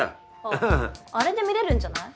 ああれで見れるんじゃない？